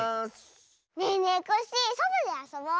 ねえねえコッシーそとであそぼう！